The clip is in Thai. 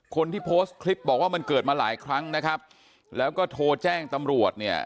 คนที่โพสต์คลิปบอกว่ามันเกิดมาหลายครั้งนะครับแล้วก็โทรแจ้งตำรวจเนี่ย